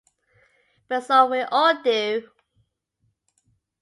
But so we all do.